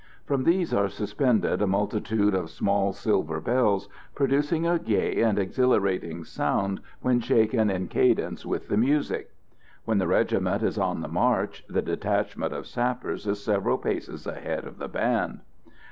From these are suspended a multitude of small silver bells, producing a gay and exhilarating sound when shaken in cadence with the music. When the regiment is on the march the detachment of sappers is several paces ahead of the band.